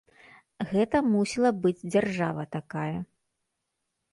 Гэта мусіла быць дзяржава такая.